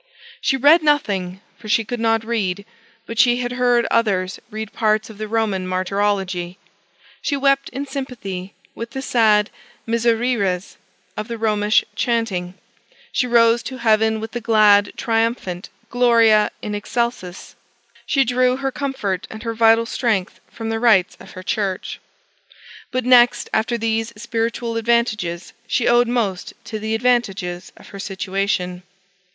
She read nothing, for she could not read; but she had heard others read parts of the Roman martyrology. She wept in sympathy with the sad Misereres of the Romish chaunting; she rose to heaven with the glad triumphant Gloria in Excelcis: she drew her comfort and her vital strength from the rites of her church. But, next after these spiritual advantages, she owed most to the advantages of her situation.